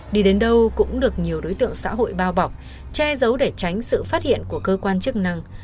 đi đến đâu cũng được nhiều đối tượng xã hội bao bọc che giấu để tránh sự phát hiện của cơ quan chức năng